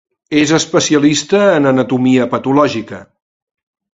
És especialista en Anatomia patològica.